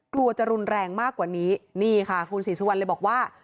กลัวจะรุนแรงมากกว่านี้นี่ค่ะคุณศรีสุวรรณเลยบอกว่า